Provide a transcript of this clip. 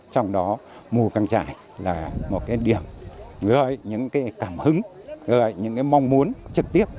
trong đó mùa căng trải là một cái điểm những cái cảm hứng những cái mong muốn trực tiếp